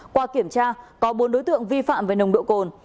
qua kiểm tra có bốn đối tượng vi phạm về nồng độ cồn